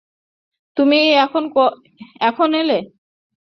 তুমি কখন এলে?